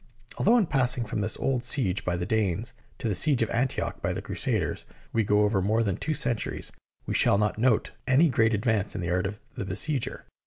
Although in passing from this old siege by the Danes to the siege of Antioch by the Crusaders we go over more than two centuries, we shall not note any great advance in the art of the besieger.